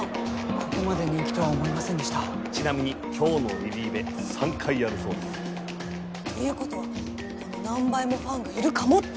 ここまで人気とは思いませんでしたちなみに今日のリリイベ３回やるそうですっていうことはこの何倍もファンがいるかもってこと？